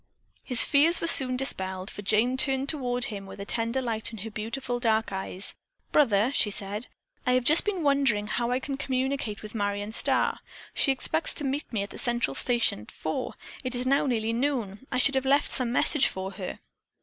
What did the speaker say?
His fears were soon dispelled, for Jane turned toward him with a tender light in her beautiful dark eyes. "Brother," she said, "I have just been wondering how I can communicate with Marion Starr. She expects to meet me at the Central Station at four. It is now nearly noon. I should have left some message for her."